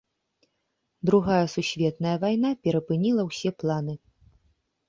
Другая сусветная вайна перапыніла ўсе планы.